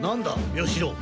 与四郎。